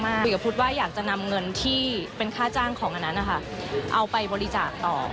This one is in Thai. กูจะพูดว่าอยากจะนำเงินที่เป็นค่าจ้างของอันนั้นเอาไปบริจาคต่อ